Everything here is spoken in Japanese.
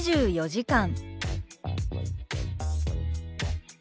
「２４時間」。